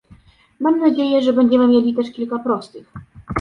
Mam nadzieję, że będziemy mieli też kilka prostych